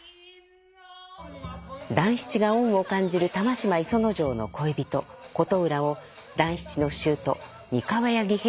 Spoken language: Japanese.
団七が恩を感じる玉島磯之丞の恋人琴浦を団七の舅三河屋義平